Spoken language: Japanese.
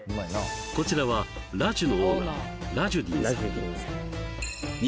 こちらはＲＡＪＵのオーナーラジュディンさん